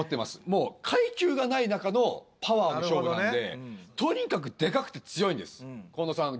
もう階級がない中のパワーの勝負なんでとにかくデカくて強いんです近藤さん